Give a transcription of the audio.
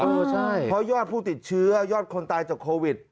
เพราะยอดผู้ติดเชื้อยอดคนตายจากโควิด